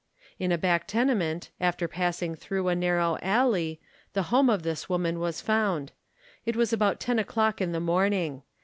In a back tenement, after passing through a narrow alley, the home of this woman was found. It was about ten o'clock in the morning.